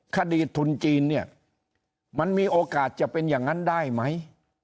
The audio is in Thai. คดีทุนจีนเนี่ยมันมีโอกาสจะเป็นอย่างนั้นได้ไหม